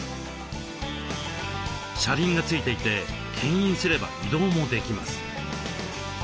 車輪が付いていてけん引すれば移動もできます。